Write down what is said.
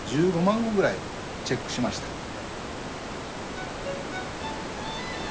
１５万語ぐらいチェックしました。